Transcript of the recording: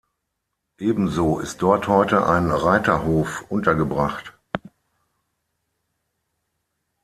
Ebenso ist dort heute ein Reiterhof untergebracht.